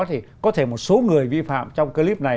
thì có thể một số người vi phạm trong clip này